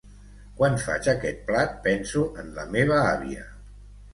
Quan faig aquest plat, penso en la meva àvia.